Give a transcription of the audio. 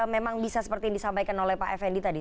memang bisa seperti yang disampaikan oleh pak effendi tadi